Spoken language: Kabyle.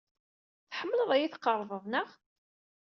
Tḥemmleḍ ad iyi-tqerḍeḍ, naɣ?